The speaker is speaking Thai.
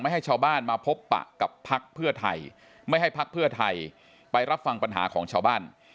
ให้ชาวบ้านมาพบปะกับพักเพื่อไทยไม่ให้พักเพื่อไทยไปรับฟังปัญหาของชาวบ้าน